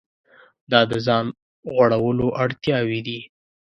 دا د ځان غوړولو اړتیاوې دي.